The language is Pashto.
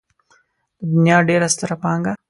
د دنيا ډېره ستره پانګه.